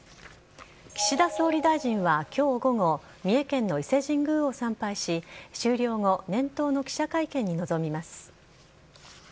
岸田総理大臣はきょう午後、三重県の伊勢神宮を参拝し、終了後、年頭の記者会見に臨みます。